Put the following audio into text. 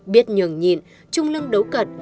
biết nhường nhịn chung lưng đấu cận